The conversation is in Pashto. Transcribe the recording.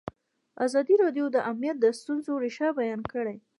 ازادي راډیو د امنیت د ستونزو رېښه بیان کړې.